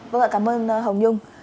vâng ạ cảm ơn hồng nhung